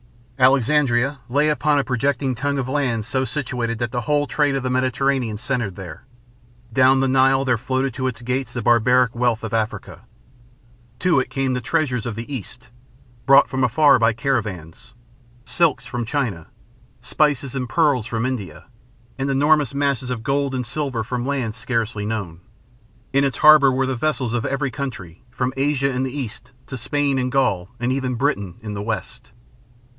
Alexandria lay upon a projecting tongue of land so situated that the whole trade of the Mediterranean centered there. Down the Nile there floated to its gates the barbaric wealth of Africa. To it came the treasures of the East, brought from afar by caravans silks from China, spices and pearls from India, and enormous masses of gold and silver from lands scarcely known. In its harbor were the vessels of every country, from Asia in the East to Spain and Gaul and even Britain in the West.